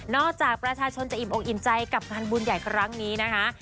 จากประชาชนจะอิ่มอกอิ่มใจกับงานบุญใหญ่ครั้งนี้นะคะ